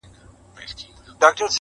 بلبل سمدستي را ووت په هوا سو -